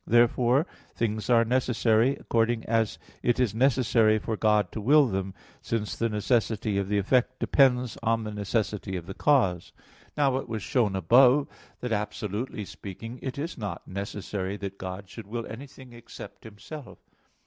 Therefore things are necessary, according as it is necessary for God to will them, since the necessity of the effect depends on the necessity of the cause (Metaph. v, text 6). Now it was shown above (Q. 19, A. 3), that, absolutely speaking, it is not necessary that God should will anything except Himself.